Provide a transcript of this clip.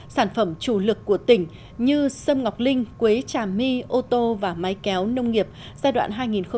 sản phẩm chủ lực của tỉnh như sâm ngọc linh quế trà my ô tô và máy kéo nông nghiệp giai đoạn hai nghìn một mươi sáu hai nghìn hai mươi